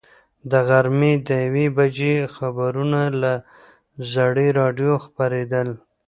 د غرمې د یوې بجې خبرونه له زړې راډیو خپرېدل.